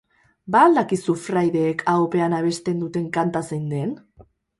Ba al dakizu fraideek ahopean abesten duten kanta zein den?